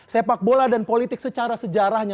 sepak bola dan politik secara sejarahnya